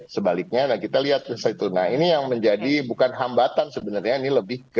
sebaliknya nah kita lihat disitu nah ini yang menjadi bukan hambatan sebenarnya ini lebih ke